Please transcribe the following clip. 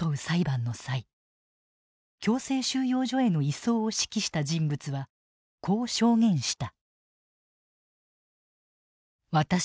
強制収容所への移送を指揮した人物はこう証言した。